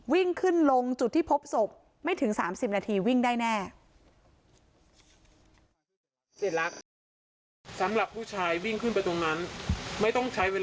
วิ่งขึ้นลงจุดที่พบศพไม่ถึง๓๐นาทีวิ่งได้แน่